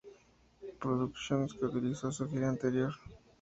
Productions", que utilizó en su gira anterior.